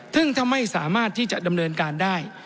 ซึ่งถ้าไม่สามารถที่จะดำเนินการได้